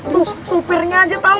tuh supirnya aja tau